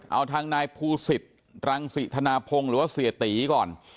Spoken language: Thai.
เอาทางนายภูศิษฐ์รังสิธนาพงศ์หรือว่าเสียตีก่อน